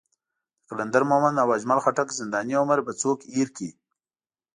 د قلندر مومند او اجمل خټک زنداني عمر به څوک هېر کړي.